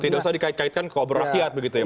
tidak usah dikait kaitkan ke obor rakyat